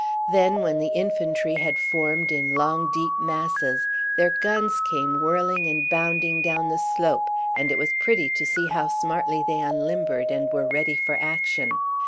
Then when the infantry had formed in long deep masses their guns came whirling and bounding down the slope, and it was pretty to see how smartly they unlimbered and were ready for action.